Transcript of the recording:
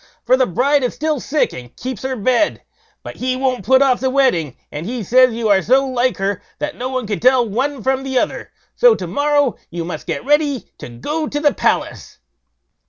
for the bride is still sick, and keeps her bed; but he won't put off the wedding; and he says, you are so like her, that no one could tell one from the other; so to morrow you must get ready to go to the palace."